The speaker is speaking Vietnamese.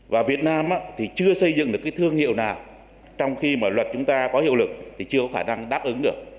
và việt nam thì chưa xây dựng được cái thương hiệu nào trong khi mà luật chúng ta có hiệu lực thì chưa có khả năng đáp ứng được